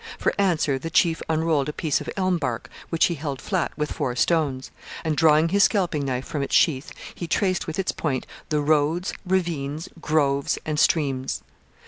For answer the chief unrolled a piece of elm bark, which he held flat with four stones; and, drawing his scalping knife from its sheath, he traced with its point the roads, ravines, groves, and streams.